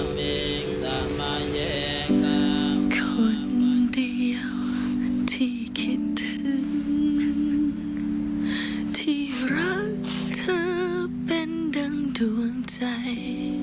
ไม่คิดถึงที่รักเธอเป็นดั่งดวงใจ